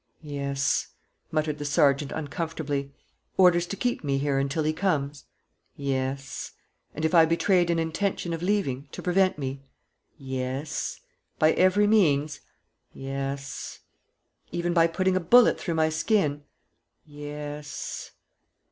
"Yes," muttered the sergeant, uncomfortably. "Orders to keep me here until he comes?" "Yes." "And if I betrayed an intention of leaving, to prevent me?" "Yes." "By every means?" "Yes." "Even by putting a bullet through my skin?" "Yes."